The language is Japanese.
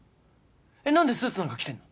何でスーツなんか着てんの？